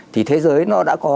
thì thế giới đã có